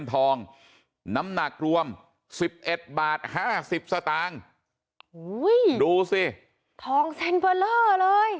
ทองแซ่งเบลอเลย